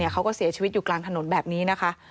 เขาก็เสียชีวิตอยู่กลางถนนแบบนี้นะคะ